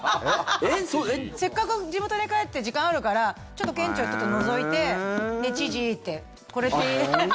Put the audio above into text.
せっかく地元に帰って時間あるからちょっと県庁のぞいてねえ、知事って。